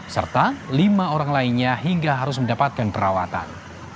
serta lima orang lainnya hingga harus mendapatkan perawatan